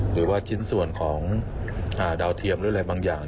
หรือว่าชิ้นส่วนของดาวเทียมหรืออะไรบางอย่าง